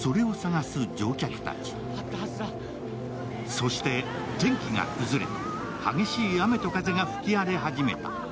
そして天気が崩れ、激しい雨と風が吹き荒れ始めた。